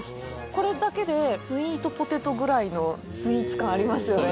これだけでスイートポテトぐらいのスイーツ感ありますよね。